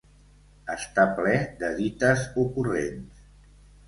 Està ple de dites ocurrents.